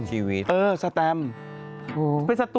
ชีวิต